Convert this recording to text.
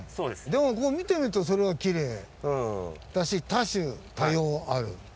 でもこう見てるとそれはきれいだし多種多様ある。